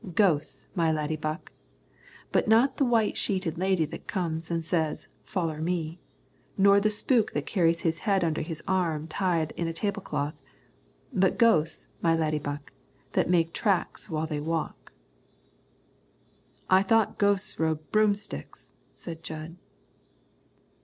"Ghosts, my laddiebuck. But not the white sheeted lady that comes an' says, 'Foller me,' nor the spook that carries his head under his arm tied up in a tablecloth, but ghosts, my laddiebuck, that make tracks while they walk." "I thought ghosts rode broomsticks," said Jud.